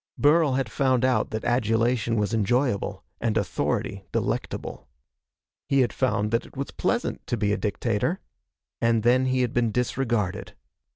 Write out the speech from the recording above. Burl had found out that adulation was enjoyable and authority delectable. He had found that it was pleasant to be a dictator. And then he had been disregarded.